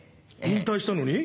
引退したのに？